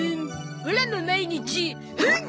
オラも毎日フン！